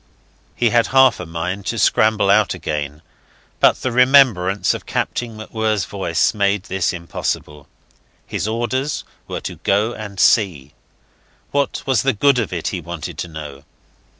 He had half a mind to scramble out again; but the remembrance of Captain MacWhirr's voice made this impossible. His orders were to go and see. What was the good of it, he wanted to know.